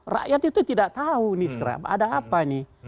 rakyat itu tidak tahu nih skrap ada apa nih